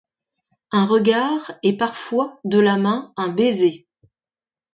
Un regard, et parfois, de la main, un baiser